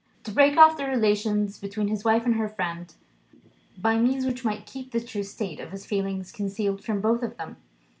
to break off the relations between his wife and her friend, by means which might keep the true state of his feelings concealed from both of them.